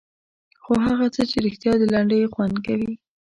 خو هغه چې رښتیا د لنډیو خوند کوي.